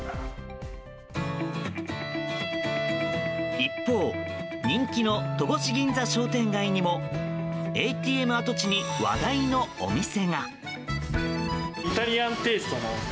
一方人気の戸越銀座商店街にもＡＴＭ跡地に話題のお店が。